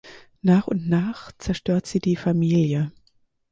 Nach und nach zerstört sie die Familie.